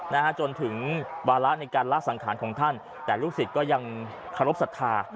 นะฮะจนถึงวาระในการละสังขารของท่านแต่ลูกศิษย์ก็ยังเคารพสัทธา